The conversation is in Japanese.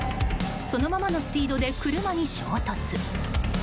そのままのスピードで車に衝突。